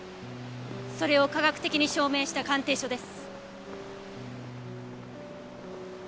それを科学的に証明した鑑定書です。